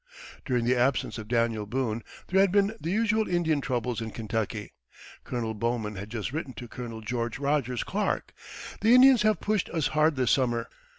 During the absence of Daniel Boone there had been the usual Indian troubles in Kentucky. Colonel Bowman had just written to Colonel George Rogers Clark, "The Indians have pushed us hard this summer."